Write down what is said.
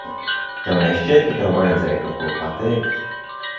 Tev nešķiet, ka tev vajadzēja kaut ko pateikt?